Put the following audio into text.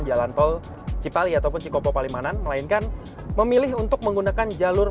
jalan tol cipali ataupun cikopo palimanan melainkan memilih untuk menggunakan jalur